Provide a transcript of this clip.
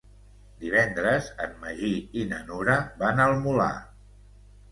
Divendres en Magí i na Nura van al Molar.